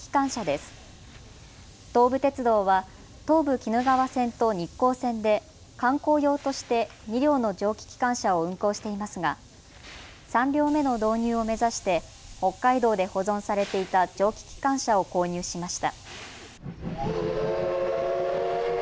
東武鉄道は東武鬼怒川線と日光線で観光用として２両の蒸気機関車を運行していますが３両目の導入を目指して北海道で保存されていた蒸気機関車を購入しました。